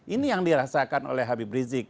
ini yang dirasakan oleh habib rizik